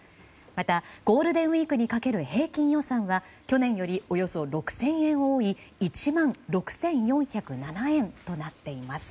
また、ゴールデンウィークにかける平均予算は去年よりおよそ６０００円多い１万６４０７円となっています。